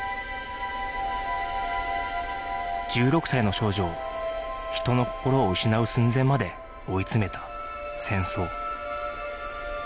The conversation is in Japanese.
１６歳の少女を人の心を失う寸前まで追い詰めた戦争